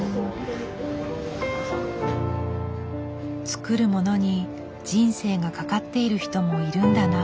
作るものに人生がかかっている人もいるんだな。